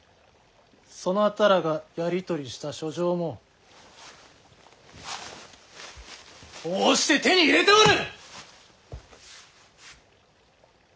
そなたらがやり取りした書状もこうして手に入れておる！